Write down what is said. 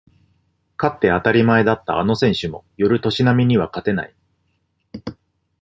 勝って当たり前だったあの選手も寄る年波には勝てない